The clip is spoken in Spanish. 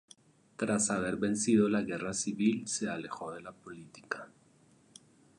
Tras haber vencido la Guerra Civil se alejó de la política.